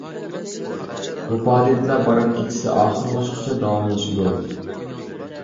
بۇ پائالىيەتلەر بارات كېچىسى ئاخىرلاشقۇچە داۋاملىشىدۇ.